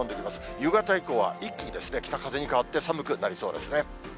夕方以降は一気に北風に変わって、寒くなりそうですね。